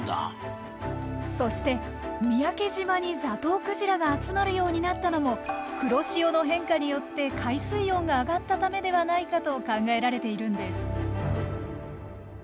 そして三宅島にザトウクジラが集まるようになったのも黒潮の変化によって海水温が上がったためではないかと考えられているんです。